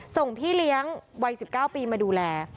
ส่งพี่เลี้ยงวัย๑๙ปีมาดูแล